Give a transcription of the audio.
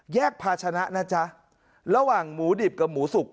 ภาชนะนะจ๊ะระหว่างหมูดิบกับหมูสุก